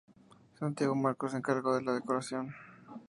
Santiago Marco se encargó de la decoración.